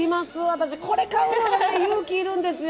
私これ買うのが勇気いるんですよ。